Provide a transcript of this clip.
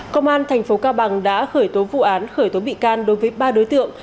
công an tp cao bằng đã khởi tố vụ án khởi tố bị can đối với ba đối tượng